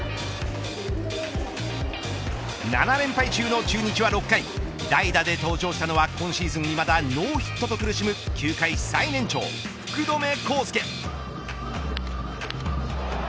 ７連敗中の中日は６回代打で登場したのは今シーズン、いまだノーヒットと苦しむ球界最年長福留孝介。